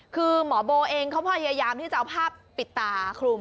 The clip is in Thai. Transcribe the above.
คือหมอโบเองเขาพยายามที่จะเอาภาพปิดตาคลุม